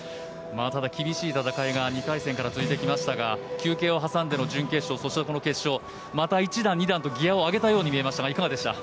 ただ、厳しい戦いが２回戦から続いてきましたが休憩を挟んでの準決勝そして、この決勝とまた１段、２段とギアを上げたと思いますがいかがでした？